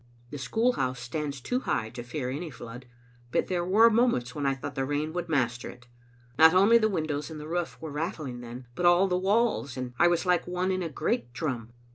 The school house stands too high to fear any flood, but there were moments when I thought the rain would master it. Not only the windows and the roof were rattling then, but all the walls, and I was like one in a great drum.